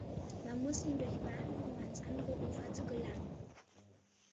Man muss ihn durchwaten, um ans andere Ufer zu gelangen.